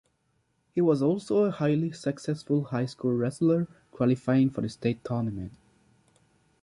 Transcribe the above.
He was also a highly successful high school wrestler, qualifying for the state tournament.